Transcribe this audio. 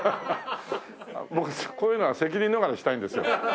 僕こういうのは責任逃れしたいんですよ。